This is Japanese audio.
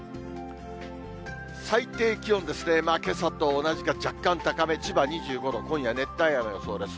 最低気温ですね、けさと同じか、若干高め、千葉２５度、今夜、熱帯夜の予想です。